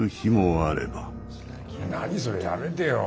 何それやめてよ。